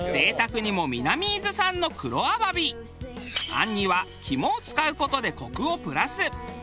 餡には肝を使う事でコクをプラス。